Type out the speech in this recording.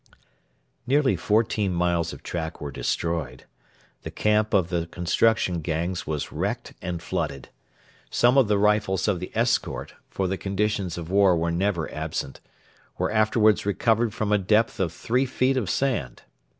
Nearly fourteen miles of track were destroyed. The camp of the construction gangs was wrecked and flooded. Some of the rifles of the escort for the conditions of war were never absent were afterwards recovered from a depth of three feet of sand.